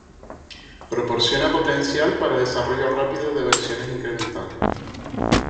Proporciona potencial para desarrollo rápido de versiones incrementales.